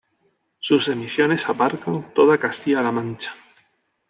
Sus emisiones abarcan toda Castilla La Mancha.